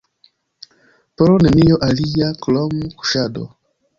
Pro nenio alia, krom kuŝado.